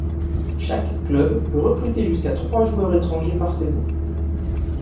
Chaque club peut recruter jusqu'à trois joueurs étrangers par saison.